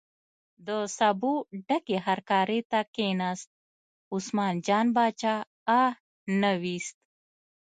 د سبو ډکې هرکارې ته کیناست، عثمان جان باچا اه نه ویست.